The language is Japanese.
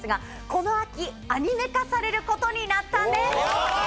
この秋アニメ化されることになったんです！